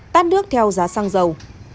tiếp tục theo giá xăng dầu